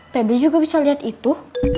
pep dia juga bisa lihat itu